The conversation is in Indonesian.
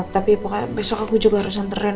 tapi pokoknya besok aku juga harus antren